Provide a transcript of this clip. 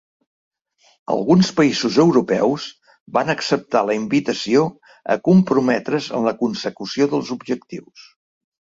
Alguns països europeus van acceptar la invitació a comprometre's en la consecució dels objectius